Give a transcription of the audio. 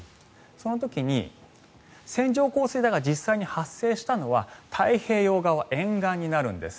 その時に、線状降水帯が実際に発生したのは太平洋側沿岸になるんです。